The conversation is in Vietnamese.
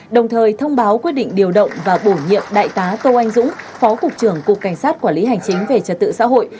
đồng thời thông báo quyết định điều động và bổ nhiệm đại tá tô anh dũng phó cục trưởng cục cảnh sát quản lý hành chính về trật tự xã hội